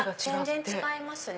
全然違いますね。